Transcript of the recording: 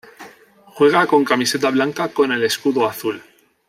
Juega con camiseta blanca con el escudo azul.